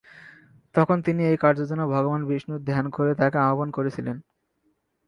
তখন তিনি এই কার্যের জন্য ভগবান বিষ্ণুর ধ্যান করে তাঁকে আহ্বান করেছিলেন।